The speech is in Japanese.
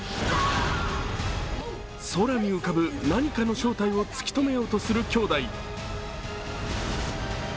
空に浮かぶ何かの正体を突き止めようとする、きょうだい。